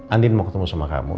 andin mau ketemu sama kamu